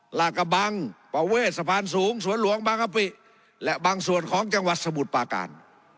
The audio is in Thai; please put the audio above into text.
ลากกระบังประเวทสะพานสูงสวนหลวงบางกะปิและบางส่วนของจังหวัดสมุทรปาการ